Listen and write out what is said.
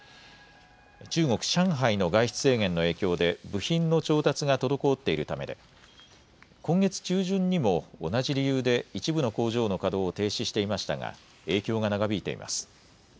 中国上海の外出制限の影響で部品の調達が滞っているためで今月、中旬にも同じ理由で一部の工場の稼働を停止していましたが影響が長引いています。